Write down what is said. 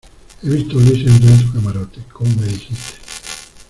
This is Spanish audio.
he visto a Ulises entrar en tu camarote, como me dijiste.